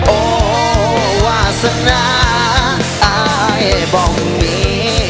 โอ้ววาสนาไอ้บ้องมี